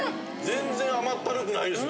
全然甘ったるくないです。